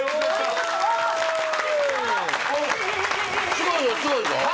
すごいぞすごいぞ！